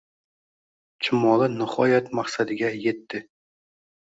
Chumoli nihoyat maqsadiga yetdi